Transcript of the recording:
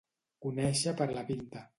Conèixer per la pinta.